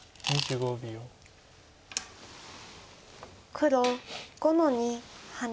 黒５の二ハネ。